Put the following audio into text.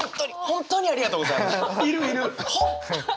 本当にありがとうございますみたいな。